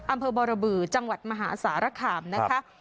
อำเภอบรบือจังหวัดมหาสารคามนะคะ